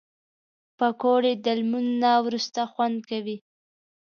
پکورې د لمونځ نه وروسته خوند کوي